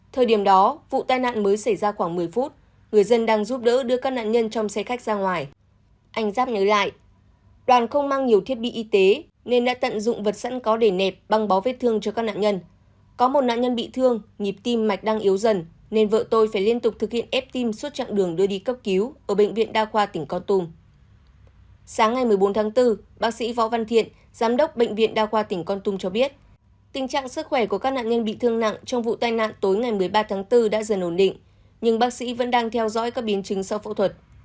tình trạng sức khỏe của các nạn nhân bị thương nặng trong vụ tai nạn tối ngày một mươi ba tháng bốn đã dần ổn định nhưng bác sĩ vẫn đang theo dõi các biến chứng sau phẫu thuật